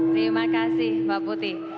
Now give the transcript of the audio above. terima kasih mbak putih